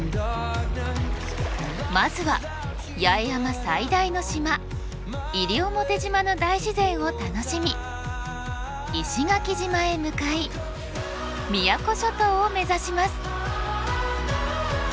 まずは八重山最大の島西表島の大自然を楽しみ石垣島へ向かい宮古諸島を目指します。